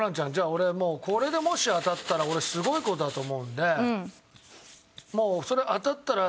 俺もうこれでもし当たったら俺すごい事だと思うんでもうそれ。